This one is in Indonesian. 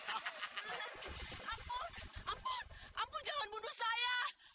aku tidak akan membunuhmu